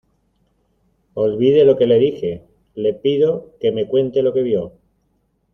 olvide lo que le dije. le pido que me cuente lo que vio